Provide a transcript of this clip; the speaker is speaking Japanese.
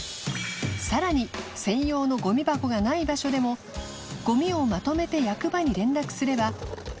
磴気蕕専用のゴミ箱がない場所でも乾澆まとめて役場に連絡すれば［一］